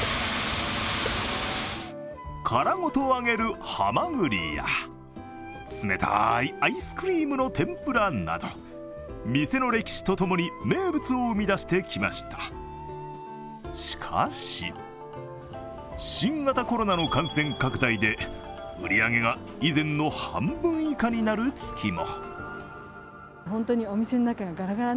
殻ごと揚げるはまぐりや冷たいアイスクリームの天ぷらなど、店の歴史とともに、名物を生み出してきました、しかし新型コロナの感染拡大で売り上げが以前の半分以下になる月も。